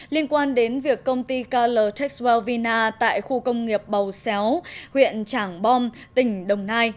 liên quan đến việc công ty kl techo vina tại khu công nghiệp bầu xéo huyện trảng bom tỉnh đồng nai